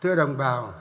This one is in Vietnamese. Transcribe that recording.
thưa đồng bào